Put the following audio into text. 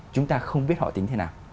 chúng ta không biết họ tính thế nào